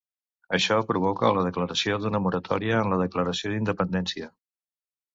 Això provoca la declaració d'una moratòria en la declaració d'independència.